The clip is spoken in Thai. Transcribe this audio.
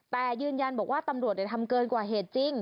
แต่ยืนยันบอกว่าตำรวจทำเกินกว่าเหตุจริง